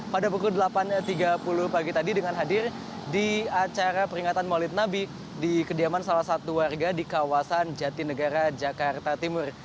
pada pukul delapan tiga puluh pagi tadi dengan hadir di acara peringatan maulid nabi di kediaman salah satu warga di kawasan jatinegara jakarta timur